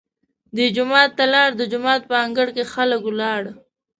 دی جومات ته لاړ، د جومات په انګړ کې خلک ولاړ.